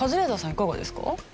いかがですか？